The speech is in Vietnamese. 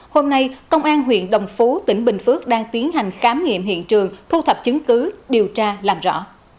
hôm nay công an huyện đồng phú tỉnh bình phước đang tiến hành khám nghiệm hiện trường thu thập chứng cứ điều tra làm rõ